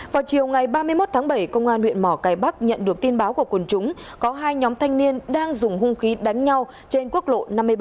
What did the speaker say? vào chiều ngày ba mươi một tháng bảy công an huyện mỏ cải bắc nhận được tin báo của quần chúng có hai nhóm thanh niên đang dùng hung khí đánh nhau trên quốc lộ năm mươi ba